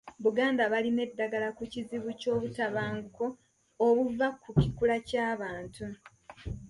Buganda balina eddagala ku kizibu ky’obutabanguko obuva ku kikula ky’abantu.